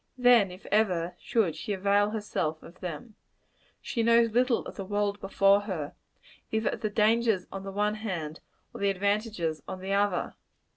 Then, if ever, should she avail herself of them. She knows little of the world before her either of the dangers on the one hand, or the advantages on the other.